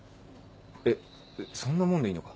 えっそんなもんでいいのか。